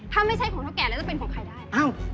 ถ้าไม่ใช่ของเท่าแก่แล้วจะเป็นของใครได้